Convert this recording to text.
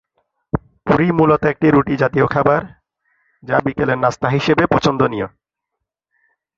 পুরি মূলত একটি রুটি জাতীয় খাবার যা বিকেলের নাস্তা হিসেবে পছন্দনীয়।